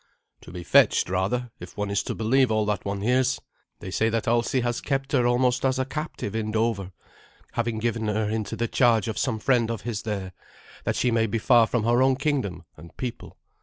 "To be fetched rather, if one is to believe all that one hears. They say that Alsi has kept her almost as a captive in Dover, having given her into the charge of some friend of his there, that she may be far from her own kingdom and people.